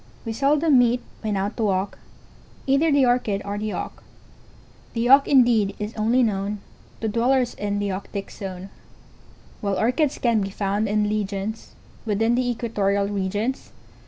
] We seldom meet, when out to walk, Either the Orchid or the Auk; The Auk indeed is only known To dwellers in the Auktic zone, While Orchids can be found in legions, Within the equatorial regions.